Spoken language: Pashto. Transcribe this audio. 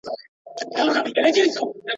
کله یو هېواد د استراداد غوښتنه ردوي؟